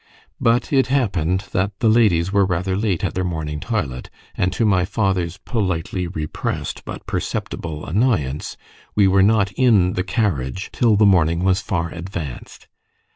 But it happened that the ladies were rather late at their morning toilet, and to my father's politely repressed but perceptible annoyance, we were not in the carriage till the morning was far advanced.